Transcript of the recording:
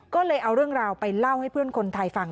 ก็เลยเอาเรื่องราวไปเล่าให้เพื่อนคนไทยฟัง